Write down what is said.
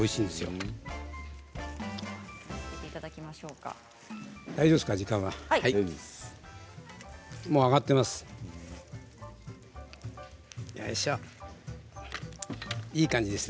もう揚がっています。